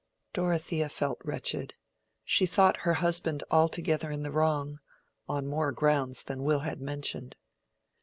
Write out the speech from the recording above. Dorothea felt wretched. She thought her husband altogether in the wrong, on more grounds than Will had mentioned.